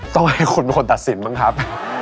ต้องให้คุณเป็นคนตัดสินบ้างครับ